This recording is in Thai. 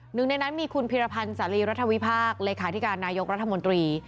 หนึ่งในนั้นมีคุณพิรพันธ์สารีรัฐวิพากษ์เลขาธิการนายกรัฐมนตรี